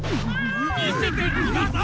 みせてください！